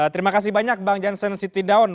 terima kasih banyak bang jansen siti daun